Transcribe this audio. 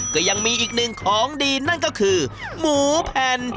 ก็ยังมีอีกหนึ่งของดีนั่นก็คือหมูแผ่น